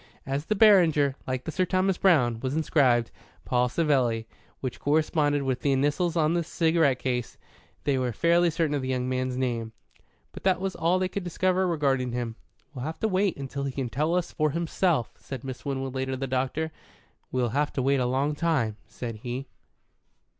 As the Beranger, like the Sir Thomas Browne, was inscribed "Paul Savelli," which corresponded with the initials on the cigarette case, they were fairly certain of the young man's name. But that was all they could discover regarding him. "We'll have to wait until he can tell us himself," said Miss Winwood later to the doctor. "We'll have to wait a long time," said he.